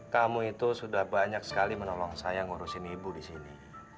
kamu itu sudah banyak sekali menolong saya ngurusin ibu di sini